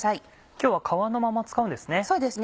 今日は皮のまま使うんですね。